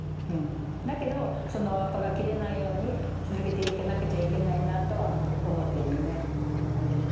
だけどその輪っぱが切れないように続けていかなくちゃいけないなとは思ってるのよねうん。